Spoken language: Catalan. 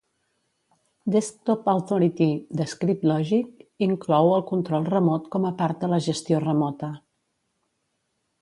Desktop Authority de Scriptlogic inclou el control remot com a part de la gestió remota.